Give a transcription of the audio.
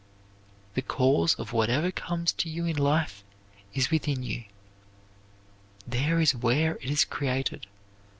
The cause of whatever comes to you in life is within you. There is where it is created.